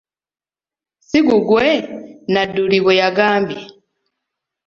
Ssi gugwe? Nadduli bwe yagambye.